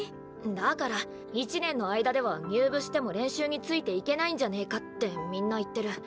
だから１年の間では入部しても練習についていけないんじゃねかってみんな言ってる。